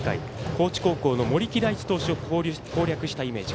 高知高校の森木大智投手を攻略したイメージ。